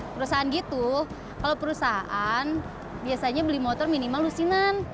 perusahaan gitu kalau perusahaan biasanya beli motor minimal lusinan